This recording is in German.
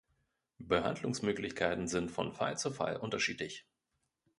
Behandlungsmöglichkeiten sind von Fall zu Fall unterschiedlich.